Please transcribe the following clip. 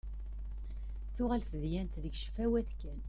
Tuɣal tedyant deg ccfawat kan.